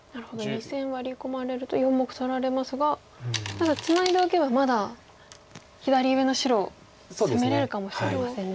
２線ワリ込まれると４目取られますがただツナいでおけばまだ左上の白攻めれるかもしれませんね。